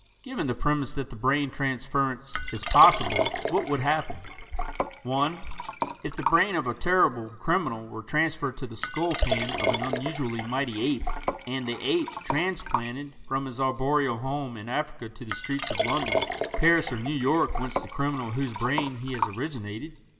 Given the premise that the brain transference is possible, what would happen: (1) If the brain of a terrible criminal were transferred to the skull pan of an unusually mighty ape and the ape transplanted from his arboreal home in Africa to the streets of London, Paris or New York whence the criminal whose brain he has originated?